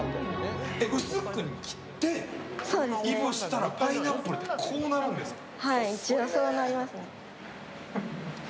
薄くに切って、いぶしたらパイナップルってこうなるんですか。